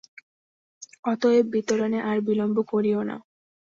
অতএব বিতরণে আর বিলম্ব করিও না।